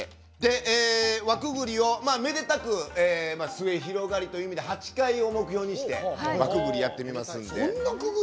輪くぐりをめでたく末広がりという意味で８回を目標にして輪くぐりやってみますんで。